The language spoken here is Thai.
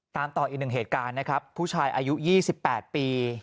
ตามต่ออีกหนึ่งเหตุการณ์นะครับผู้ชายอายุ๒๘ปี